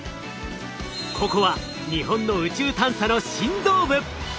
ここは日本の宇宙探査の心臓部！